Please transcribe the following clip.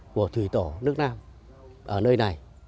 của thủy tổ nước nam ở nơi này